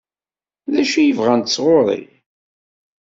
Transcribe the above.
D acu i bɣant sɣur-i?